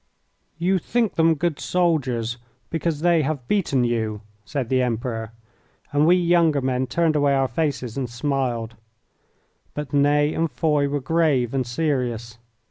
"You think them good soldiers because they have beaten you," said the Emperor, and we younger men turned away our faces and smiled. But Ney and Foy were grave and serious.